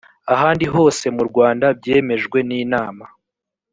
ahandi hose mu rwanda byemejwe n’inama